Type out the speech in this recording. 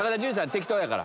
適当やから。